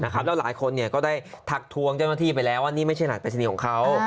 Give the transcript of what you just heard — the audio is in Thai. แล้วหลายคนก็ได้ทักทวงเจ้าหน้าที่ไปแล้วว่านี่ไม่ใช่หลักปริศนีย์ของเขา